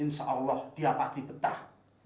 insya allah dia pasti betah